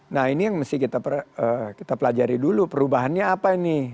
nah ini yang mesti kita pelajari dulu perubahannya apa ini